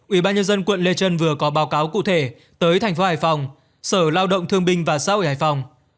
ủy ban nhân dân quận lê trân vừa có báo cáo cụ thể tới thành phố hải phòng sở lao động thương binh và xã hội hải phòng